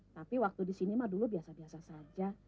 tapi waktu di sini mah dulu biasa biasa saja